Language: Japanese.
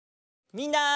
みんな。